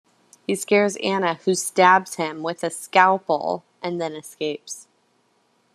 He scares Anna who stabs him with a scalpel, and then escapes.